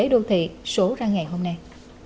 kinh tế đô thị số ra ngày hôm nay